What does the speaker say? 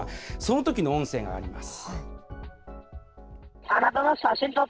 そのときの音声があります。